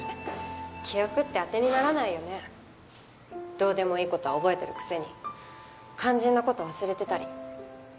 どうでもいい事は覚えてるくせに肝心な事忘れてたり。